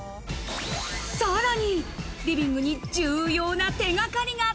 さらに、リビングに重要な手がかりが。